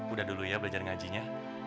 udah dulu ya belajar ngajinya